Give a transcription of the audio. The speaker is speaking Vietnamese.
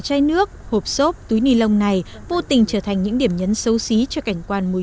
mà khu vực này hiện có rất nhiều rác bị vứt một cách bừa bãi